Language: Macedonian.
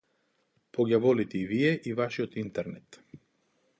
По ѓаволите и вие и вашиот интернет.